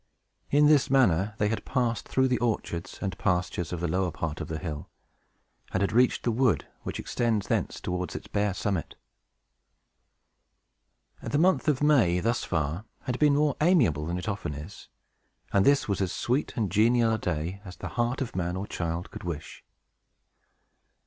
In this manner, they had passed through the orchards and pastures on the lower part of the hill, and had reached the wood, which extends thence towards its bare summit. The month of May, thus far, had been more amiable than it often is, and this was as sweet and genial a day as the heart of man or child could wish.